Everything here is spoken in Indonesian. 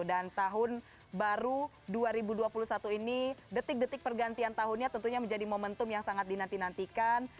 dan tahun baru dua ribu dua puluh satu ini detik detik pergantian tahunnya tentunya menjadi momentum yang sangat dinantikan